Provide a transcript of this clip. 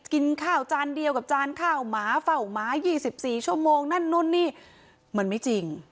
กินข้าวจานเดียวกับจานข้าวหมาเฝ้าหมา๒๔ชั่วโมงนั่นนู่นนี่มันไม่จริง